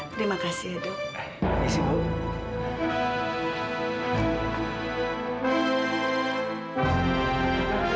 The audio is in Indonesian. terima kasih dok